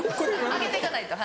上げてかないと。